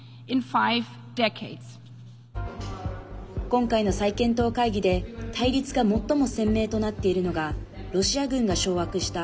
今回の再検討会議で対立が最も鮮明となっているのがロシア軍が掌握した